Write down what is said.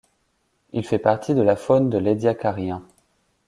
Il fait partie de la faune de l'Édiacarien.